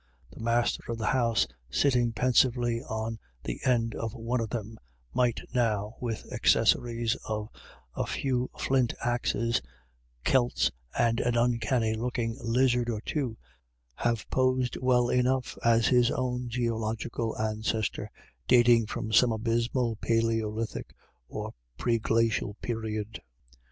The master of the house, sitting pensively on the end of one of them, might now, with the accessories of a few flint axes, celts, and an uncanny looking lizard or two, have posed well enough as his own geological ancestor dating from some abysmal palaeolithic or pre glacial period.